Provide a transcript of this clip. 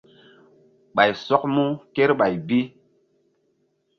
Ɓay sɔk mu kerɓay bi.